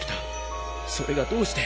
それがどうして。